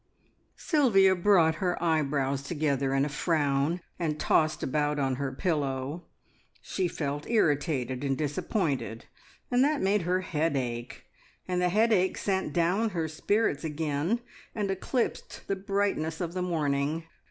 Sylvia brought her eyebrows together in a frown, and tossed about on her pillow. She felt irritated and disappointed, and that made her head ache, and the headache sent down her spirits again, and eclipsed the brightness of the morning.